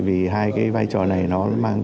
vì hai cái vai trò này nó mang